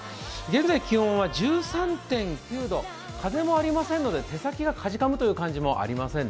現在気温は１３．９度、風もありませんので手先がかじかむということもありません